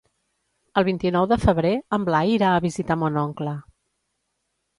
El vint-i-nou de febrer en Blai irà a visitar mon oncle.